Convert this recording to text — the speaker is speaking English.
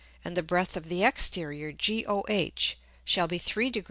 and the Breadth of the exterior GOH shall be 3 Degr.